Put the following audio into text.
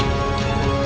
aku mau ke rumah